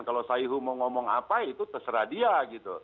kalau sayhu mau ngomong apa itu terserah dia gitu